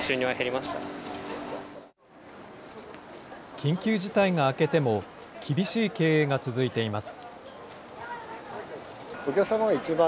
緊急事態が明けても、厳しい経営が続いています。